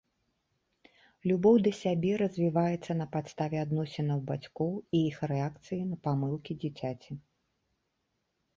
Любоў да сябе развіваецца на падставе адносінаў бацькоў і іх рэакцыі на памылкі дзіцяці.